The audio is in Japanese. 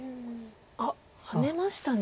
あっハネましたね。